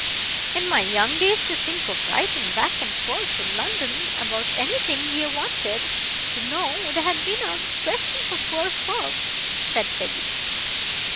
In my young days, to think of writing back and fore to London about anything ye wanted to know would have been out of the question for poor folk," said Peggy.